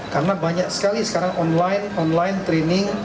karena banyak sekali sekarang online online training